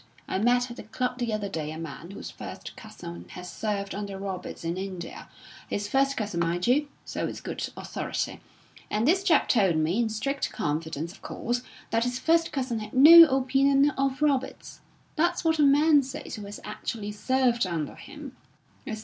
I met at the club the other day a man whose first cousin has served under Roberts in India his first cousin, mind you, so it's good authority and this chap told me, in strict confidence, of course, that his first cousin had no opinion of Roberts. That's what a man says who has actually served under him."